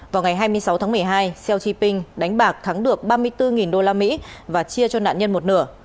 vào ngày hai mươi sáu tháng một mươi hai seoch ping đánh bạc thắng được ba mươi bốn usd và chia cho nạn nhân một nửa